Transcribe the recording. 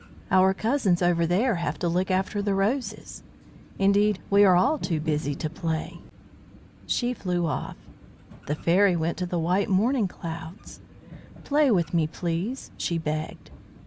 Our cousins over there have to look after the roses. Indeed, we are all too busy to play." She flew off. The Fairy went to the white morning clouds. "Play with me, please," she begged.